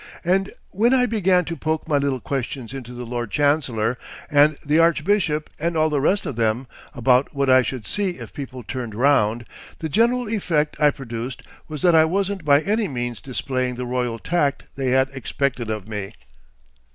And when I began to poke my little questions into the Lord Chancellor and the archbishop and all the rest of them, about what I should see if people turned round, the general effect I produced was that I wasn't by any means displaying the Royal Tact they had expected of me....